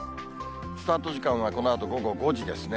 スタート時間はこのあと午後５時ですね。